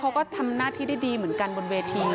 เขาก็ทำหน้าที่ได้ดีเหมือนกันบนเวที